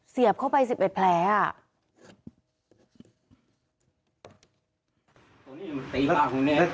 เสียบเข้าไป๑๑แผลอ่ะ